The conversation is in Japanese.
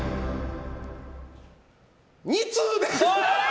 ２通です！